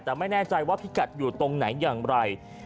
แต่ไม่แน่ใจว่าพี่กัดอยู่ตรงไหนอย่างไร